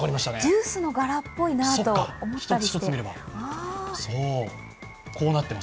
ジュースの柄っぽいなと思ったりして。